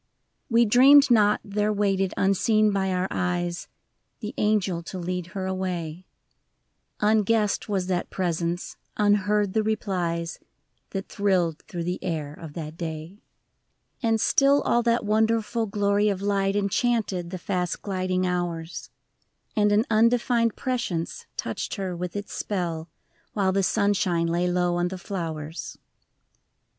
We dreamed not there waited, unseen by our eyes, The angel to lead her away ; Unguessed was that Presence, unheard the replies, That thrilled through the air of that day. 97 7 HER LAST DAY. I IV. And still all that wonderful glory of light Enchanted the fast gliding hours, And an undefined prescience touched her with its spell While the sunshine lay low on the flowers, — V.